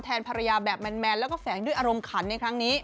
ภรรยาแบบแมนแล้วก็แฝงด้วยอารมณ์ขันในครั้งนี้